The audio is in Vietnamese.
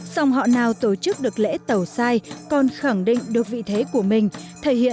dòng họ nào tổ chức được lễ tẩu sai còn khẳng định được vị thế của mình